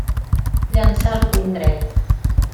Llançà el puny dret.